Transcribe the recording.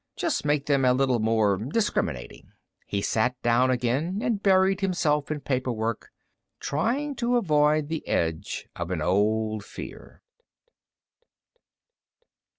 Just make them a little more discriminating. He sat down again and buried himself in paperwork, trying to avoid the edge of an old fear.